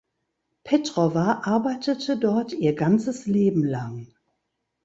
Petrowa arbeitete dort ihr ganzes Leben lang.